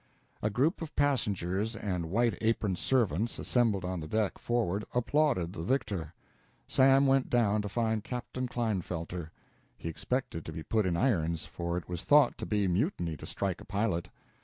A group of passengers and white aproned servants, assembled on the deck forward, applauded the victor. Sam went down to find Captain Klinefelter. He expected to be put in irons, for it was thought to be mutiny to strike a pilot.